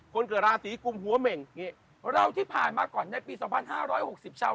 คนเกิดราศีกุมหัวเหม่งเราที่ผ่านมาก่อนในปีสองพันห้าร้อยหกสิบชาว